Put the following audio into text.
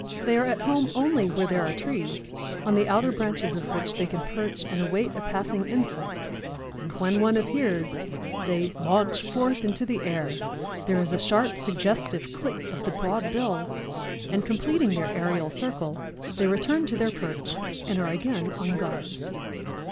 They are at home only where there are trees, on the outer branches of which they can perch and await a passing insect, and when one appears they "launch forth into the air; there is a sharp, suggestive click of the broad bill and, completing their aerial circle, they return to their perch and are again en garde."